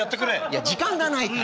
いや時間がないから。